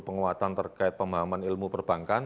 penguatan terkait pemahaman ilmu perbankan